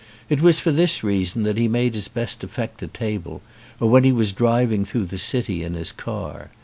It was for this reason that he made his best effect at table or when he was driving through the city in his car.